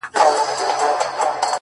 • هلک چیغه کړه پر مځکه باندي پلن سو,